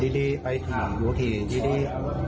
ดีไปถึงอยู่ที่ดี